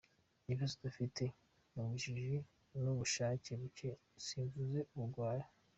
Ikibazo dufite n’ubujiji n’ubushake buke simvuze ubugwari.